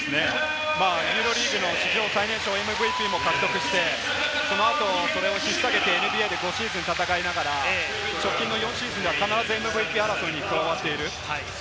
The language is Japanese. ユーロリーグの史上最年少ＭＶＰも獲得して、それを引っさげてＮＢＡで５シーズン戦いながら直近の４シーズンでは必ずＭＶＰ争いに加わっています。